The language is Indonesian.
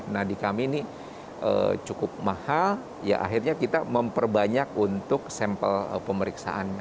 nah di kami ini cukup mahal ya akhirnya kita memperbanyak untuk sampel pemeriksaannya